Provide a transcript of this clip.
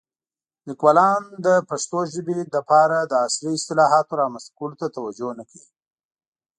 لیکوالان د پښتو ژبې لپاره د عصري اصطلاحاتو رامنځته کولو ته توجه نه کوي.